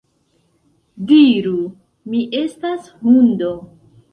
Diru, mi estas hundo